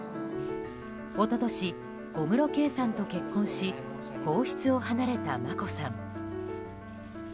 一昨年、小室圭さんと結婚し皇室を離れた眞子さん。